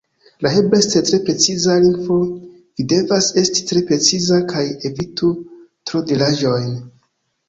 La hebrea estas tre preciza lingvo, vi devas esti tre preciza kaj evitu tro-diraĵojn.